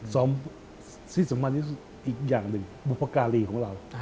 ที่สำคัญที่สุดอีกอย่างหนึ่งบุพการีของเรา